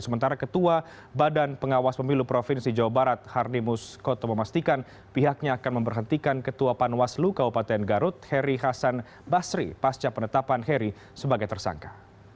sementara ketua badan pengawas pemilu provinsi jawa barat harnimus koto memastikan pihaknya akan memberhentikan ketua panwaslu kabupaten garut heri hasan basri pasca penetapan heri sebagai tersangka